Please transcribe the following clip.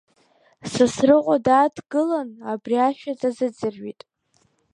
Сасрыҟәа дааҭгылан абри ашәа даазыӡырҩит.